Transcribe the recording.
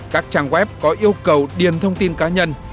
các trang web có yêu cầu điền thông tin cá nhân